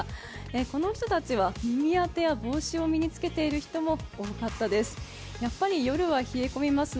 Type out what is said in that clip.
この人たちは耳当てや帽子を身につけている人もいました。